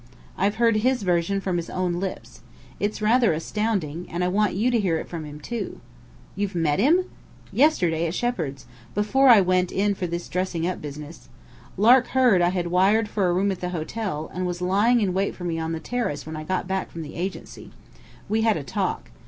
"I've heard his version from his own lips. It's rather astounding. And I want you to hear it from him, too." "You've met him!" "Yesterday at Shepheard's, before I went in for this dressing up business. Lark heard I had wired for a room at the hotel, and was lying in wait for me on the terrace when I got back from the Agency. We had a talk.